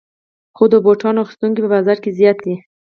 خو د بوټانو اخیستونکي په بازار کې زیات دي